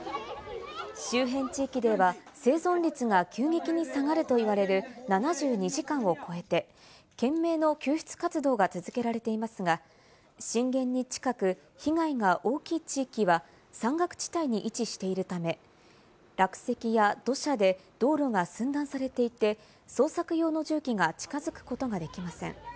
周辺地域では生存率が急激に下がるといわれる７２時間を超えて懸命の救出活動が続けられていますが、震源に近く、被害が大きい地域は山岳地帯に位置しているため、落石や土砂で道路が寸断されていて、捜索用の重機が近づくことができません。